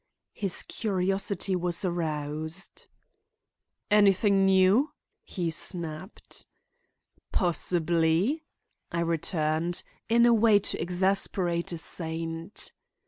His curiosity was aroused. "Anything new?" he snapped. "Possibly," I returned, in a way to exasperate a saint.